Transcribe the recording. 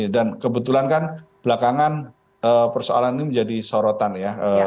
dan kebetulan kan belakangan persoalan ini menjadi sorotan ya